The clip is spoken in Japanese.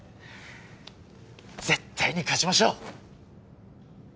絶対に勝ちましょう！